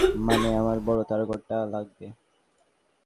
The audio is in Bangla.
মানে, আমার বড় তারকাঁটা লাগবে।